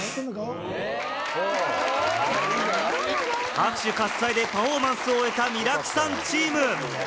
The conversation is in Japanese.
拍手喝采でパフォーマンスを終えたミラクさんチーム。